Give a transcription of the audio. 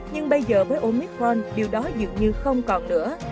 nhưng bây giờ với omitforn điều đó dường như không còn nữa